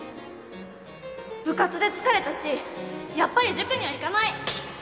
部活で疲れたしやっぱり塾には行かない。